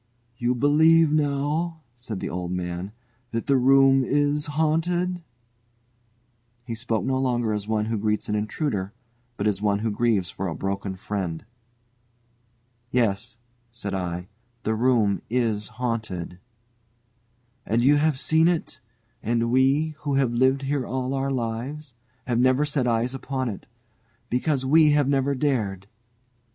"You believe now," said the old man, "that the room is haunted?" He spoke no longer as one who greets an intruder, but as one who grieves for a broken friend. "Yes," said I; "the room is haunted." "And you have seen it. And we, who have lived here all our lives, have never set eyes upon it. Because we have never dared...